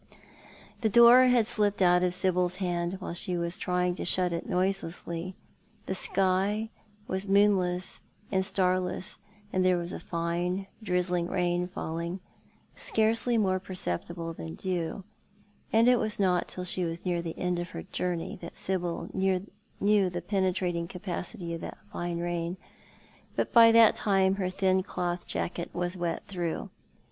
The door had slipped out of Sibyl's hand while she was trying to shut it noiselessly. The sky was moonless and star less, and there was a fine, drizzling rain falling, scarcely more perceptible than dew, and it was not till she was near the end of her journey that Sibyl knew the penetrating capacity of that fine rain, but by that time ber thin cloth jacket was wet through.